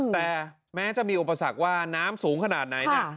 แต่แม้จะมีอุปสรรคว่าน้ำสูงขนาดไหนเนี่ย